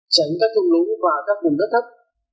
tránh các thùng lũ và các vùng đất thấp